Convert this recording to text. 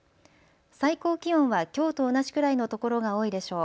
最高気温はきょうと同じくらいの所が多いでしょう。